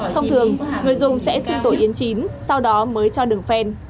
thông thường người dùng sẽ chứng tổ yến chín sau đó mới cho đường phen